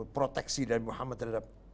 proteksi dari muhammad terhadap